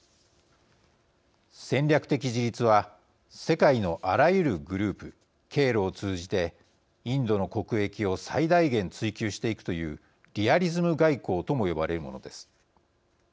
戦略的自立は世界のあらゆるグループ経路を通じてインドの国益を最大限追求していくというリアリズム外交とも呼ばれるものです。